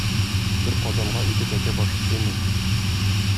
Бер казанга ике тәкә башы сыймый.